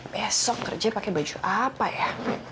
besok kerja pakai baju apa ya